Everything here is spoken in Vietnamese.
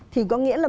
thì có nghĩa là